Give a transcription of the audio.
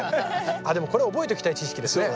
でもこれ覚えときたい知識ですね。